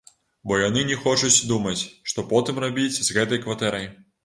Бо яны не хочуць думаць, што потым рабіць з гэтай кватэрай.